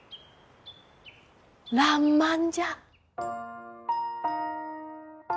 らんまんじゃ。